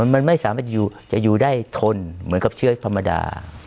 มันไม่สามารถจะอยู่ได้ทนเหมือนกับเชื้อธรรมดา